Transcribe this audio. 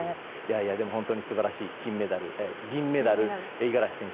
でも本当に素晴らしい銀メダル五十嵐選手